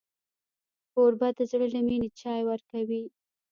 کوربه د زړه له مینې چای ورکوي.